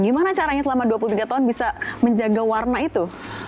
gimana caranya selama dua puluh tiga tahun bisa menjaga warna itu